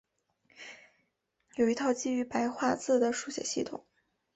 有一套基于白话字的书写系统。